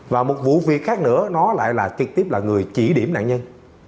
và một vụ việc khác nữa nó lại là trực tiếp là người chỉ điểm nạn nhân